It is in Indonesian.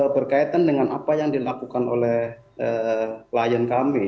berkaitan dengan apa yang dilakukan oleh klien kami